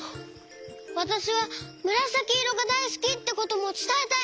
「わたしはむらさきいろがだいすき」ってこともつたえたい！